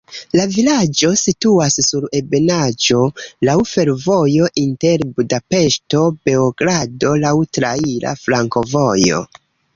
La vilaĝo situas sur ebenaĵo, laŭ fervojo inter Budapeŝto-Beogrado, laŭ traira flankovojo.